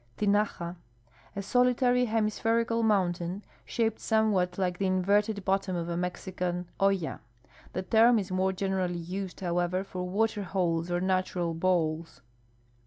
Tinaja. — A solitary, hemispherical mountain, shaped somewhat like the inverted bottom of a Mexican olla. The term is more generally u.sed, however, for water holes or natural bowls.